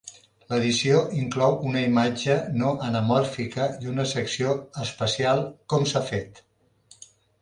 L'edició inclou una imatge no anamòrfica i una secció especial "com-s'ha-fet".